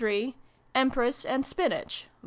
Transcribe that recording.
Empress and Spinach (II.